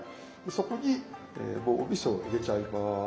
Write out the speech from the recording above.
そこにもうおみそを入れちゃいます。